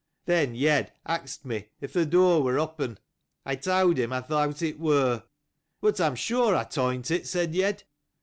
Then, Yed asked me, if the door was open. I told him I thought it was. But, I am sure I fastened it, said Yed.